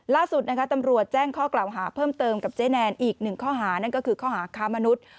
ล่าสุดนะคะตำรวจแจ้งข้อกล่าวหาเพิ่มเติมกับเจ๊แนนอีกหนึ่งข้อหานั่นก็คือข้อหาค้ามนุษย์